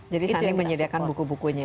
jadi sani menyediakan buku bukunya